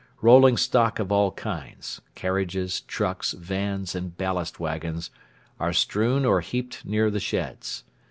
Rolling stock of all kinds carriages, trucks, vans, and ballast waggons are strewn or heaped near the sheds.